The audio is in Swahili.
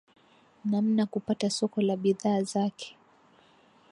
namna kupata soko la bidhaa zake